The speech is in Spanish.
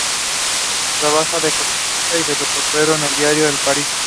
Trabaja de columnista y reportero en el diario "El País".